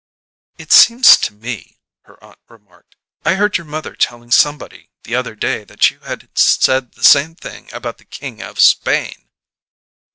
"It seems to me," her aunt remarked, "I heard your mother telling somebody the other day that you had said the same thing about the King of Spain."